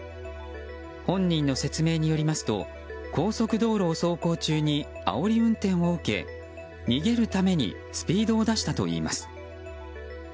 本人の説明によりますと高速道路を走行中にあおり運転を受け、逃げるためにスピードを出したといいます。